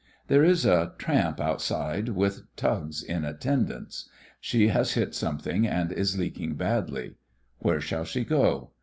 There is a tramp outside with tugs in attendance. She has hit something and is leaking badly. Where shall she go?